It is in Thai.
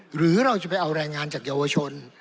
หรือเราจะไปเอาแรงงานจากเยาวชน